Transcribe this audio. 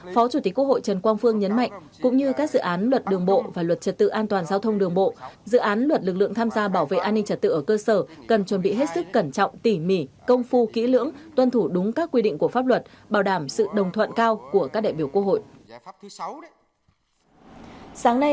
phó chủ tịch quốc hội trần quang phương nhấn mạnh cũng như các dự án luật đường bộ và luật trật tự an toàn giao thông đường bộ dự án luật lực lượng tham gia bảo vệ an ninh trật tự ở cơ sở cần chuẩn bị hết sức cẩn trọng tỉ mỉ công phu kỹ lưỡng tuân thủ đúng các quy định của pháp luật bảo đảm sự đồng thuận cao của các đại biểu quốc hội